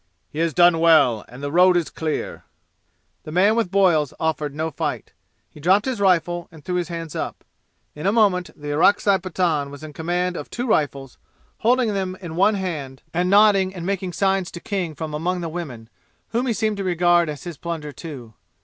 "He has done well, and the road is clear!" The man with boils offered no fight. He dropped his rifle and threw his hands up. In a moment the Orakzai Pathan was in command of two rifles, holding them in one hand and nodding and making signs to King from among the women, whom he seemed to regard as his plunder too.